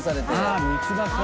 ああ三つ葉か。